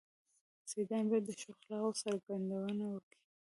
سيدان بايد د ښو اخلاقو څرګندونه وکي.